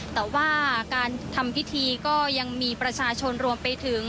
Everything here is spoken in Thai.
แต่ว่าการทำพิธีก็ยังมีประชาชนรวมไปถึง